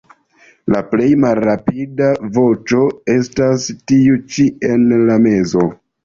La plej malrapida voĉo estas tiu ĉi en la mezo.